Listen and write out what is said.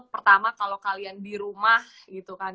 pertama kalau kalian di rumah gitu kan